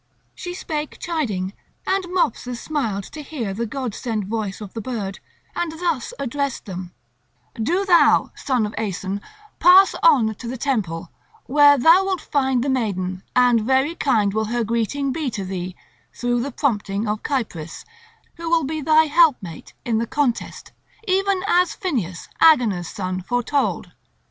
She spake chiding, and Mopsus smiled to hear the god sent voice of the bird, and thus addressed them: "Do thou, son of Aeson, pass on to the temple, where thou wilt find the maiden; and very kind will her greeting be to thee through the prompting of Cypris, who will be thy helpmate in the contest, even as Phineus, Agenor's son, foretold.